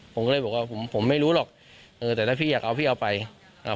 ผมก็เลยบอกว่าผมผมไม่รู้หรอกเออแต่ถ้าพี่อยากเอาพี่เอาไปเอ่อ